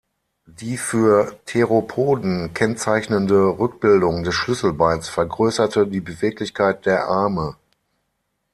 Die für Theropoden kennzeichnende Rückbildung des Schlüsselbeins vergrößerte die Beweglichkeit der Arme.